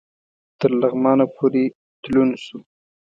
تر لغمانه پوري تلون سو